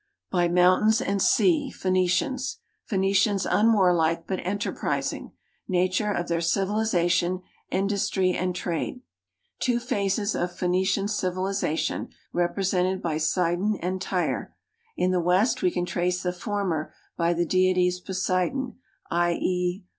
by mountains and sea (Phoenicians). Phoenicians unwarlike but enterprising. Nature of their civilization, industry, and trade. 3 THE NATIONAL GEOGRAPHIC SOCIETY Two phases of Phoenician civilization, represented by Sidon and Tyre. In tlie west, we can trace tlie former by tlie deities Poseidon (i. e.